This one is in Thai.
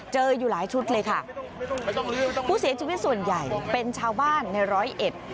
อยู่หลายชุดเลยค่ะผู้เสียชีวิตส่วนใหญ่เป็นชาวบ้านในร้อยเอ็ด